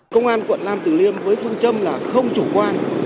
công an quận nam tử liêm với phương châm là không chủ quan